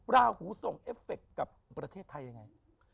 ราหูส่งเอฟเฟคกับประเทศไทยยังไง